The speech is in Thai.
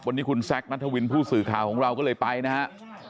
วันนี้คุณแซคนัทวินผู้สื่อข่าวของเราก็เลยไปนะฮะ